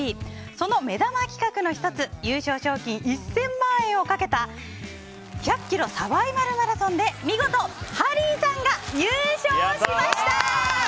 その目玉企画の１つ優勝賞金１０００万円をかけた１００ｋｍサバイバルマラソンで見事、ハリーさんが優勝しました。